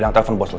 aku teh bbl